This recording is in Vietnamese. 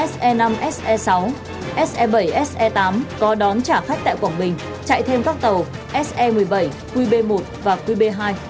se năm se sáu se bảy se tám có đón trả khách tại quảng bình chạy thêm các tàu se một mươi bảy qb một và qb hai